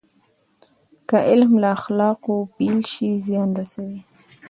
که علم له اخلاقو بېل شي، زیان رسوي.